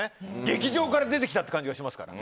劇場から出てきたって感じがしますから。